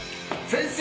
先生。